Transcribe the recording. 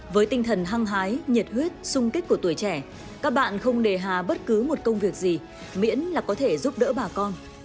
với tinh thần hăng hái nhiệt huyết sung kích của tuổi trẻ các bạn không đề hà bất cứ một công việc gì miễn là có thể giúp đỡ bà con